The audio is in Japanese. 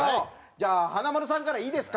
じゃあ華丸さんからいいですか？